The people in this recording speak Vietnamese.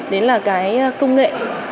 đến là công nghệ